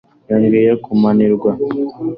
yongeye kunanirwa